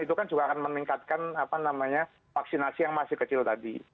itu kan juga akan meningkatkan vaksinasi yang masih kecil tadi